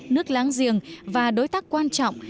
nước láng giềng và đối tác quan trọng